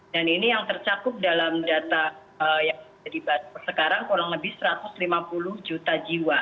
dan ini yang tercakup dalam data yang kita dibahas sekarang kurang lebih satu ratus lima puluh juta